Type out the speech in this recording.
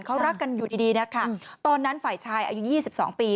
เขารักกันอยู่ดีนะคะตอนนั้นฝ่ายชายอายุ๒๒ปี